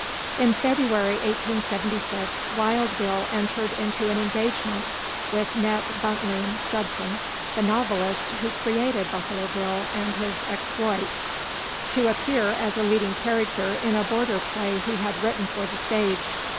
In February, 1876, Wild Bill entered into an engagement with Ned Buntline, (Judson,) the novelist who created Buffalo Bill and his exploits, to appear as a leading character in a border play he had written for the stage.